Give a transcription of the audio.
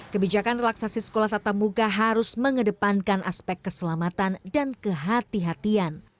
kebijakan relaksasi sekolah tatap muka harus mengedepankan aspek keselamatan dan kehatian